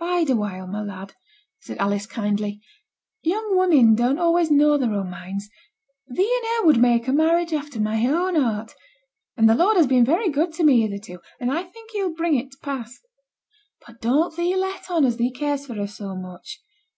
'Bide a while, my lad,' said Alice, kindly. 'Young women don't always know their own minds. Thee and her would make a marriage after my own heart; and the Lord has been very good to me hitherto, and I think He'll bring it t' pass. But don't thee let on as thee cares for her so much.